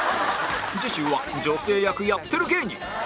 次週は女性役やってる芸人